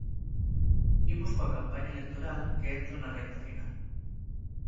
Imos coa campaña electoral que entra na recta final.